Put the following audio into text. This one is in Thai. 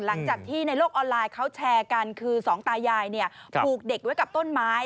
หลังจากที่ในโลกออนไลน์เขาแชร์กันคือสองตายายผูกเด็กไว้กับต้นไม้